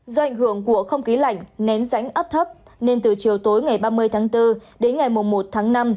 do ảnh hưởng của không khí lạnh nén rãnh áp thấp nên từ chiều tối ngày ba mươi tháng bốn đến ngày một tháng năm